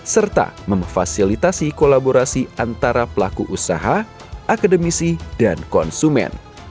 serta memfasilitasi kolaborasi antara pelaku usaha akademisi dan konsumen